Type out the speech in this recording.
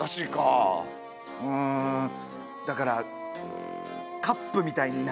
だからカップみたいに。